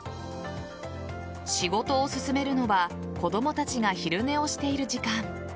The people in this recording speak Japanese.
仕事を進めるのは子供たちが昼寝をしている時間。